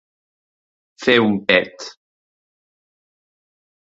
Fer un pet.